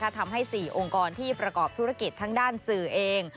ทำให้๔องค์กรที่ประกอบธุรกิจทั้งด้านสื่อเอง